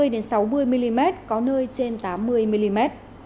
ba mươi đến sáu mươi mm có nơi trên tám mươi mm